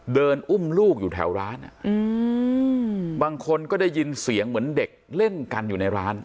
อุ้มลูกอยู่แถวร้านบางคนก็ได้ยินเสียงเหมือนเด็กเล่นกันอยู่ในร้าน